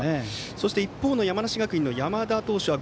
そして、一方の山梨学院の山田投手は